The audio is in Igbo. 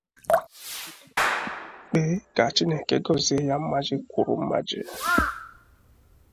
kpee ka Chineke gọzie ya mmaji kwuru mmaji